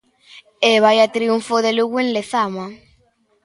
E vaia triunfo do Lugo en Lezama.